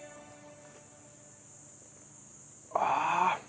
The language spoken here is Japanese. ああ。